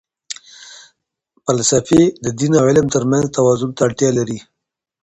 فلسفې د دین او علم ترمنځ توازن ته اړتیا لري.